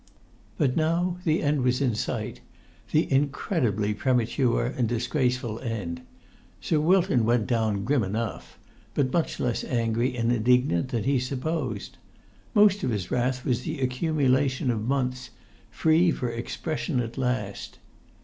But now the end was in sight—the incredibly premature and disgraceful end. Sir Wilton went down grim enough, but much less angry and indignant than he supposed. Most of his wrath was the accumulation of months, free for expression at last.